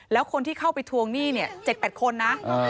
แล้วคนที่เข้าไปทวงหนี้เนี่ย๗๘คนนะ